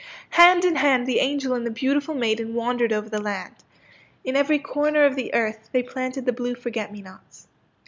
Hand in hand the angel and the beautiful maiden wandered over the land. In every cor ner of the earth they planted the blue forget me nots.